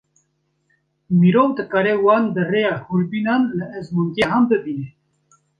Mirov dikare wan bi rêya hûrbînan li ezmûngehan bibîne.